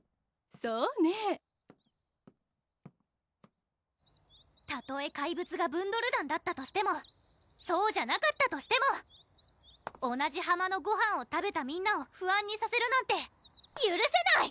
そうねぇたとえ怪物がブンドル団だったとしてもそうじゃなかったとしても同じ浜のごはんを食べたみんなを不安にさせるなんてゆるせない！